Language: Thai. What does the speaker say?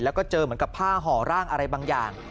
แล้วก็เจอเหมือนกับผ้าห่อร่างอะไรบางอย่าง